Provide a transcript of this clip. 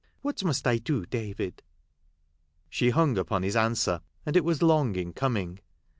What must I do, David ?" She hung upon his answer ; and it was long in coming.